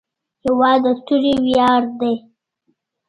هېواد د توري ویاړ دی.